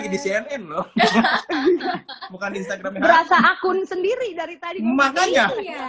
berasa akun sendiri dari tadi makanya